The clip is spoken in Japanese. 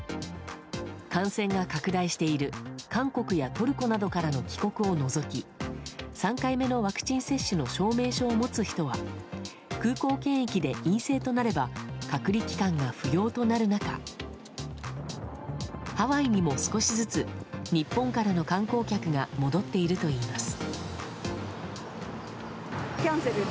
感染が拡大している韓国やトルコなどからの帰国を除き３回目のワクチン接種の証明書を持つ人は空港検疫で陰性となれば隔離期間が不要となる中ハワイにも少しずつ日本からの観光客が戻っているといいます。